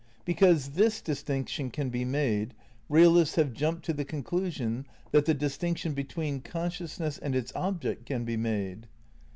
Because this distinction can be made, realists have jumped to the conclusion that the distinction between consciousness and its object can be made.